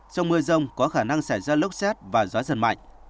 trong mưa rông có khả năng xảy ra lốc xét và gió giật mạnh